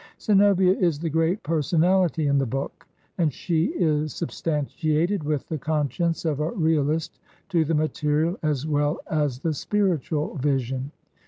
Zenobia is the great personality in the book, and she is substantiated with the conscience of a realist to the material as well as the spiritual vision.